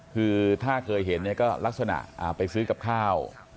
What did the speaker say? คือถ้าเคยเห็นก็ลักษณะไปซื้อกับข้าว